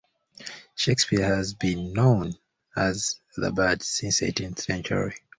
Shakespeare has been known as "the Bard" since the eighteenth century.